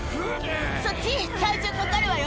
そっち体重かかるわよ